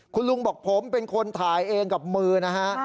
คุณลุงบอกผมเป็นคนถ่ายเองกับมือนะฮะ